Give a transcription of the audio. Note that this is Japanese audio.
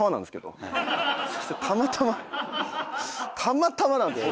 たまたまたまたまなんで。